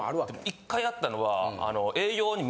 １回あったのは。